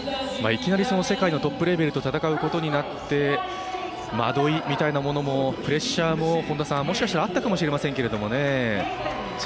いきなり世界のトップレベルと戦うことになって惑いみたいなものもプレッシャーも、もしかしたらあったかもしれませんけどね。